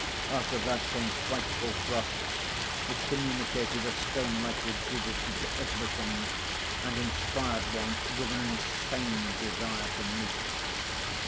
After that, came frightful frosts which communicated a stone like rigidity to everything and inspired one with an insane desire for meat.